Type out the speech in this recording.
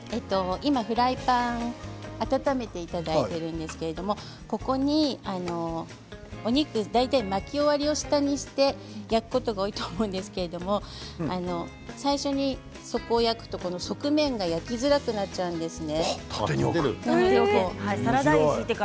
今、フライパン温めていただいているんですけどここにお肉、大体巻き終わりを下にして焼くことが多いと思うんですけれど最初に底を焼くと側面が焼きづらくなっちゃうんですね。